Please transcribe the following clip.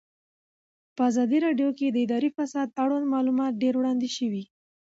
په ازادي راډیو کې د اداري فساد اړوند معلومات ډېر وړاندې شوي.